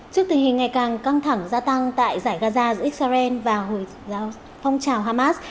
trước tình hình ngày càng căng thẳng gia tăng tại giải gaza giữa israel và hồi phong trào hamas